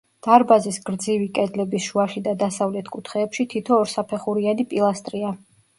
დარბაზის გრძივი კედლების შუაში და დასავლეთ კუთხეებში თითო ორსაფეხურიანი პილასტრია.